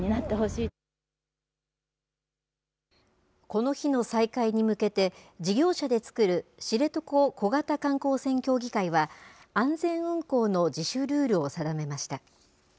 この日の再開に向けて、事業者で作る知床小型観光船協議会は、安全運航の自主ルールを定めました。